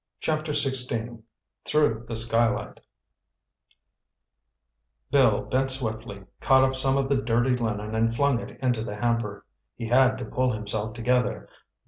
Chapter XVI THROUGH THE SKYLIGHT Bill bent swiftly, caught up some of the dirty linen and flung it into the hamper. He had to pull himself together.